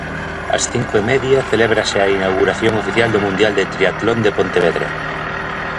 Ás cinco e media celébrase a inauguración oficial do Mundial de Tríatlon de Pontevedra.